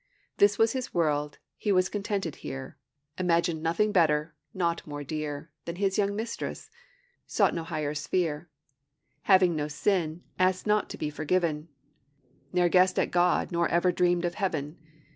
This was his world, he was contented here; Imagined nothing better, naught more dear, Than his young mistress; sought no higher sphere; Having no sin, asked not to be forgiven; Ne'er guessed at God nor ever dreamed of heaven.